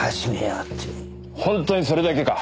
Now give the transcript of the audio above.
本当にそれだけか？